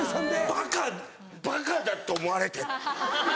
バカバカだと思われてる。